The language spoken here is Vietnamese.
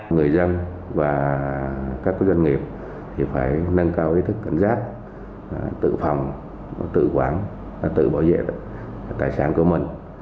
người dân và các doanh nghiệp phải nâng cao ý thức cảnh giác tự phòng tự quản tự bảo vệ tài sản của mình